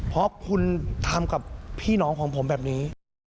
เพราะคุณทำกับพี่น้องของผมแบบนี้